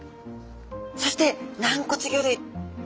そして軟骨魚類。